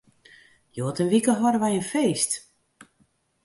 Hjoed in wike hâlde wy in feest.